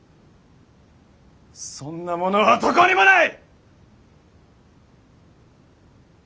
そんなものはどこにもない！